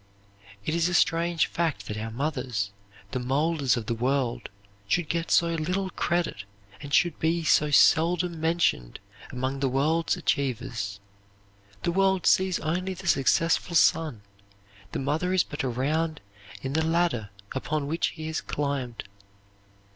It is a strange fact that our mothers, the molders of the world, should get so little credit and should be so seldom mentioned among the world's achievers. The world sees only the successful son; the mother is but a round in the ladder upon which he has climbed.